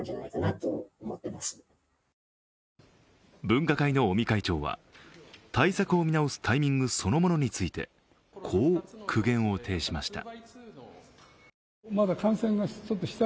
分科会の尾身会長は対策を見直すタイミングそのものについてこう苦言を呈しました。